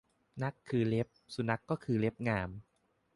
นัขคือเล็บ สุนัขก็คือเล็บงาม